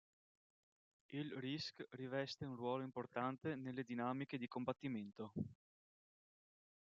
Il Risk riveste un ruolo importante nelle dinamiche di combattimento.